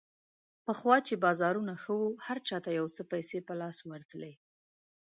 پخوا چې بازارونه ښه وو، هر چا ته یو څه پیسې په لاس ورتللې.